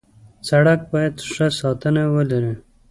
سړک باید ښه ساتنه ولري.